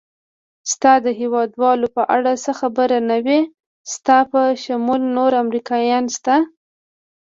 ستا د هېوادوالو په اړه څه خبرونه دي؟ ستا په شمول نور امریکایان شته؟